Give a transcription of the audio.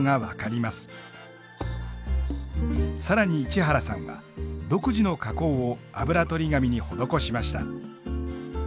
更に市原さんは独自の加工をあぶらとり紙に施しました。